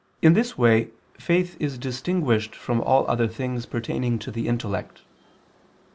In this way faith is distinguished from all other things pertaining to the intellect.